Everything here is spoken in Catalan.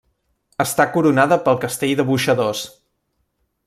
Està coronada pel Castell de Boixadors.